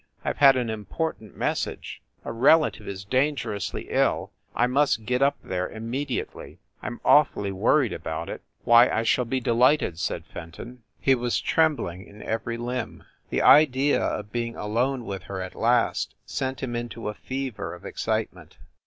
I ve had an important message a relative is dangerously ill I must get up there im mediately. I m awfully worried about it!" "Why, I shall be delighted!" said Fenton. He 240 FIND THE WOMAN was trembling in every limb. The idea of being alone with her at last sent him into a fever of ex citement.